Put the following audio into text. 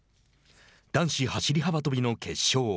男子走り幅跳びの決勝。